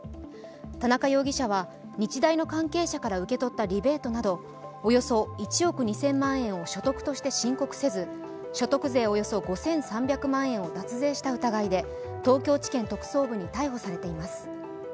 田中容疑者は日大の関係者から受け取ったリベートなどおよそ１億２０００万円を所得として申告せず所得税およそ５３００万円を脱税した疑いで東京地裁特捜部に逮捕されています。